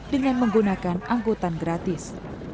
dengan menggunakan angkutan gratis